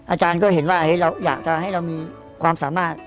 อาจารย์ก็เห็นว่าเราอยากจะให้เรามีความสามารถ